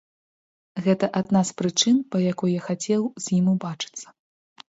Гэта адна з прычын, па якой я хацеў з ім убачыцца.